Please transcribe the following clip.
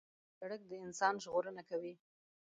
سړک د انسان ژغورنه کوي.